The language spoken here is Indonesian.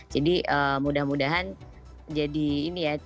jadi mudah mudahan jadi ini ya